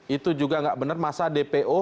itu juga nggak benar masa dpo